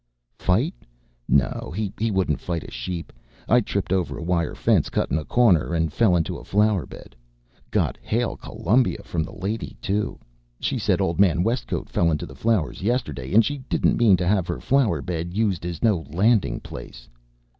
"Fight? No, he wouldn't fight a sheep. I tripped over a wire fence cuttin' a corner an' fell into a flower bed. Got Hail Columbia from the lady, too. She said old man Westcote fell into the flowers yesterday, and she didn't mean to have her flower bed used as no landin' place.